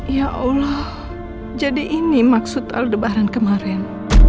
ya allah jadi ini maksud aldebaran kemarin